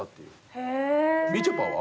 みちょぱは？